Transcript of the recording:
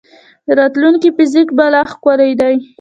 د راتلونکي فزیک به لا ښکلی دی.